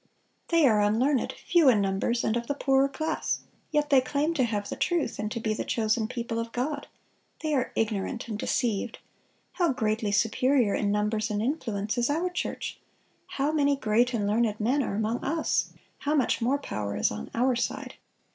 "They are unlearned, few in numbers, and of the poorer class. Yet they claim to have the truth, and to be the chosen people of God. They are ignorant and deceived. How greatly superior in numbers and influence is our church! How many great and learned men are among us! How much more power is on our side!"